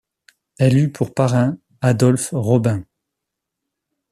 Elle eut pour parrain Adolphe Robin.